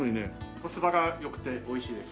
コスパが良くておいしいです。